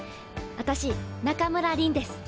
私中村凛です。